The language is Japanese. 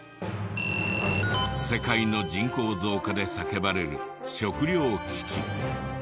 世界の人口増加で叫ばれる食料危機。